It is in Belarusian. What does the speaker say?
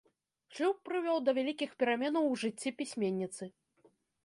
Шлюб прывёў да вялікіх пераменаў у жыцці пісьменніцы.